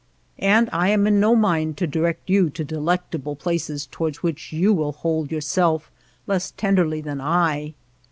And I am in no mind to direct you to delectable places toward which you will hold yourself less tenderly than I.